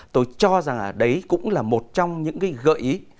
tôi cho rằng là đấy cũng là một trong những gợi ý